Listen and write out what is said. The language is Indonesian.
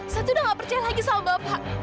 saya sudah gak percaya lagi sama bapak